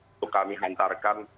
untuk kami hantarkan